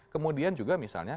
kemudian juga misalnya